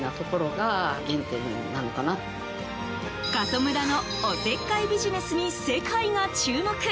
過疎村のおせっかいビジネスに世界が注目。